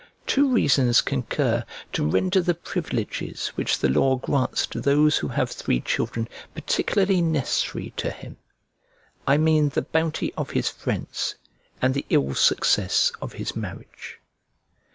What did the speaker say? Two reasons concur to render the privileges which the law grants to those who have three children particularly necessary to him; I mean the bounty of his friends, and the ill success of his marriage.